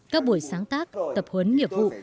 các buổi sáng tác tập huấn nghiệp vụ